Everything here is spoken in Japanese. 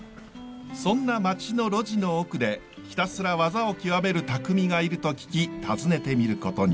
そんな町の路地の奥でひたすら技を極める匠がいると聞き訪ねてみることに。